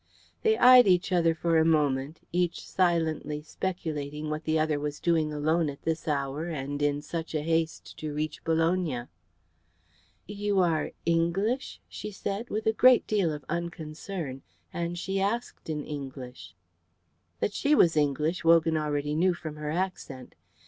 They eyed each other for a moment, each silently speculating what the other was doing alone at this hour and in such a haste to reach Bologna. "You are English?" she said with a great deal of unconcern, and she asked in English. That she was English, Wogan already knew from her accent.